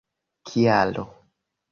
kialo